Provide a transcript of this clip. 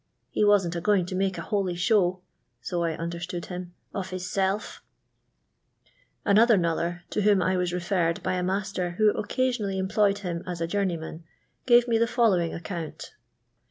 He wasn't a going to make a holy show [so I understood him] of hls wW* Another knuller (to whom I was referred by a master who occasionally employed him as a jour neyman) gave me the following account.